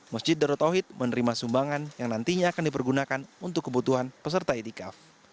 masjid darut tauhid menerima sumbangan yang nantinya akan dipergunakan untuk kebutuhan peserta itikaf